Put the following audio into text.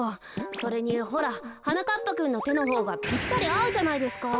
それにほらはなかっぱくんのてのほうがぴったりあうじゃないですか。